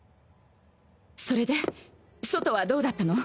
それで外はどうだったの？